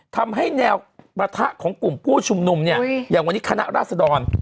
ทำให้แนวประทะของกลุ่มผู้ชุมนุมเนี่ยอย่างวันนี้คณะราษดร